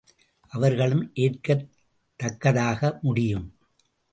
அவர்களும் ஏற்கத் தக்கதாக முடியும்!